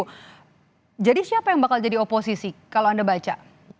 oh jadi siapa yang bakal jadi oposisi kalau anda baca